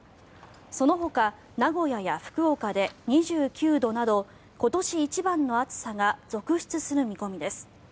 そのほか名古屋や福岡で２９度など今年一番の暑さが続出する見込みです。